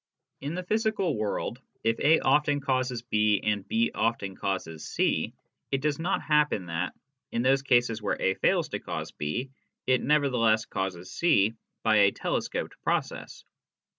In the physical world, if A often causes B, and B often causes C, it does not happen that, in those cases where A fails to cause B, it nevertheless causes C by a telescoped pro cess.